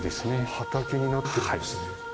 畑になってるんですね。